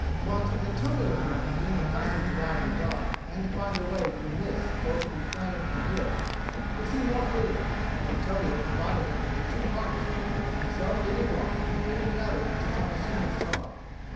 But Antonio's men being accustomed to ride in the dark, and to find their way through mists both in plain and hill, could see more clearly; and Antonio divided them into two parties, himself leading one, and giving the other into Tommasino's charge.